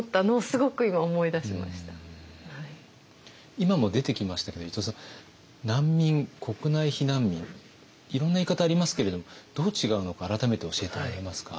今も出てきましたけど伊藤さん難民国内避難民いろんな言い方ありますけれどもどう違うのか改めて教えてもらえますか。